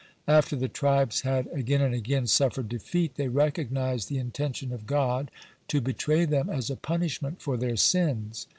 After the tribes had again and again suffered defeat, they recognized the intention of God, to betray them as a punishment for their sins.